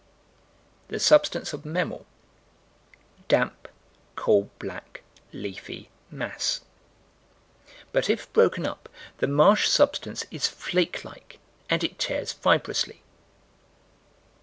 The substance of Memel: Damp, coal black, leafy mass. But, if broken up, the marsh substance is flake like, and it tears fibrously.